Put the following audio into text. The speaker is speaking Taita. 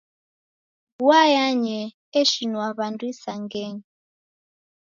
Vua yanyee eshinua w'andu isangenyi.